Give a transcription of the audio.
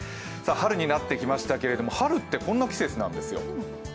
春になってきましたけれども、春ってこんな季節なんですよ。